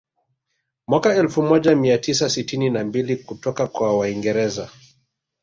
Mwaka elfu moja mia tisa sitini na mbili kutoka kwa waingereza